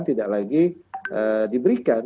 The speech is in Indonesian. tidak lagi diberikan